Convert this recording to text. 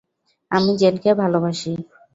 আমি জেনকে ভালোবাসি।